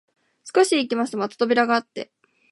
少し行きますとまた扉があって、